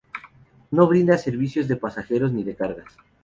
No brinda servicios de pasajeros ni de cargas.